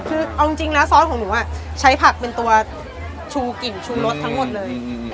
คือเอาจริงนะซอสของหนูใช้ผักเป็นตัวชูกิ่งชูรสทั้งหมดเลย